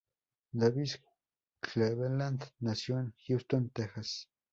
Davis Cleveland nació en Houston, Texas.